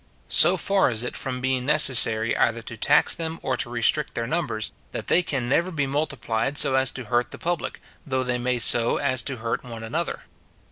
So far is it from being necessary either to tax them, or to restrict their numbers, that they can never be multiplied so as to hurt the public, though they may so as to hurt one another.